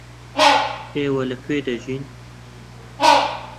ئێوە لەکوێ دەژین؟